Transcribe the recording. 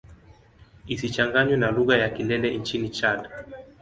Isichanganywe na lugha ya Kilele nchini Chad.